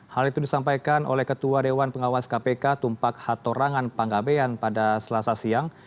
hal itu disampaikan oleh ketua dewan pengawas kpk tumpak hatorangan panggabean pada selasa siang